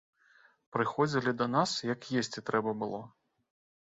Прыходзілі да нас, як есці трэба было.